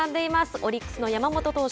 オリックスの山本投手